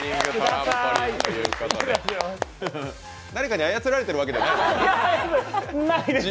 何かに操られているわけではない？